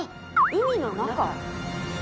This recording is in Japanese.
海の中？